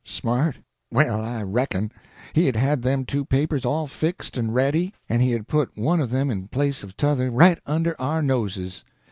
Smart? Well, I reckon! He had had them two papers all fixed and ready, and he had put one of them in place of t'other right under our noses.